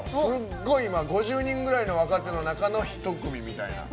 ５０人ぐらいの若手の中の一組みたいな。